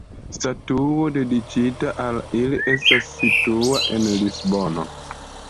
Statuo dediĉita al ili estas situa en Lisbono.